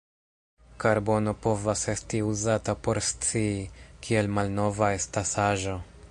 Karbono povas esti uzata por scii, kiel malnova estas aĵo.